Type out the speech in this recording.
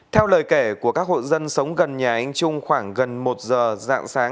theo lời kể của các hộ dân sống gần nhà anh trung khoảng gần một giờ dạng sáng